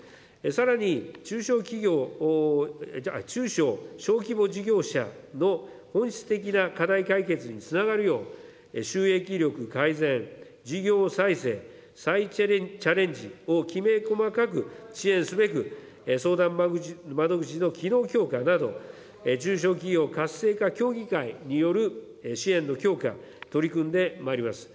さらに、中小小規模事業者の本質的な課題解決につながるよう、収益力改善、事業再生、再チャレンジをきめ細かく支援すべく、相談窓口の機能強化など、中小企業活性化協議会による支援の強化、取り組んでまいります。